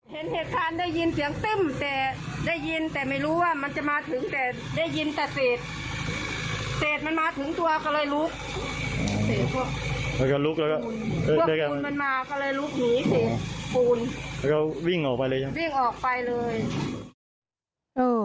เห็นเหตุการณ์ได้ยินเสียงตึ้มแต่ได้ยินแต่ไม่รู้ว่ามันจะมาถึงแต่ได้ยินแต่เสดเสดมันมาถึงตัวก็เลยลุกเสดพวกพูนมันมาก็เลยลุกหนีเสดปูนแล้วก็วิ่งออกไปเลย